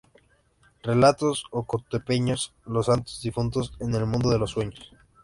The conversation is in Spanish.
Relatos Ocotepeños:Los Santos Difuntos en el Mundo de los sueños.